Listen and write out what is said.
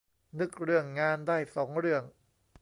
นึกเรื่องงานได้สองเรื่อง